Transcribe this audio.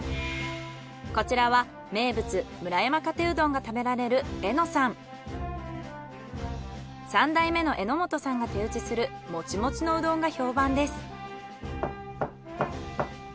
こちらは名物村山かてうどんが食べられる３代目の榎本さんが手打ちするもちもちのうどんが評判です。